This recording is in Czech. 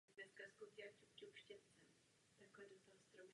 Je v zájmu Turecka, aby se kyperská otázka vyřešila.